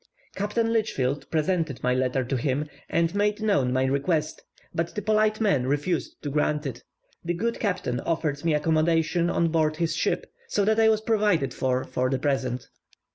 Captain Lichfield presented my letter to him and made known my request, but the polite man refused to grant it. The good captain offered me accommodation on board his ship, so that I was provided for for the present.